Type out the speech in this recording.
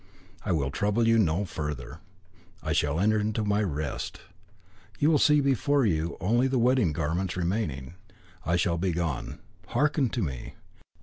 I will trouble you no further; I shall enter into my rest. You will see before you only the wedding garments remaining. I shall be gone. Hearken to me.